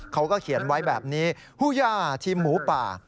เขาก็เขียนไว้แบบนี้ผู้ย่าทีมหมูป่า